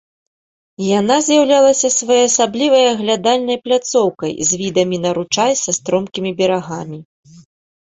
Яна з'яўлялася своеасаблівай аглядальнай пляцоўкай з відамі на ручай са стромкімі берагамі.